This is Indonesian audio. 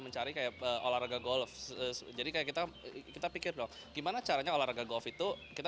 mencari kayak olahraga golf jadi kayak kita kita pikir dong gimana caranya olahraga golf itu kita